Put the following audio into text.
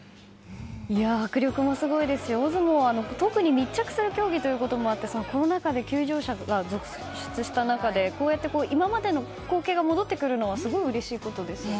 迫力もすごいですし大相撲は密着する競技なのでコロナ禍で休場者が続出した中でこうやって今までの光景が戻ってくるのはすごいうれしいことですね。